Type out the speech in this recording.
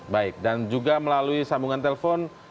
baik dan juga melalui sambungan telepon